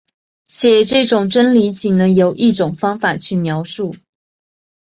且这种真理仅能由一种方法去描述。